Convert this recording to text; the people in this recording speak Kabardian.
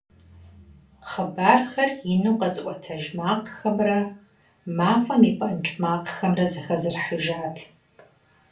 Хъыбархэр ину къэзыӀуэтэж макъхэмрэ мафӀэм и пӀэнкӀ макъымрэ зэхэзэрыхьыжат.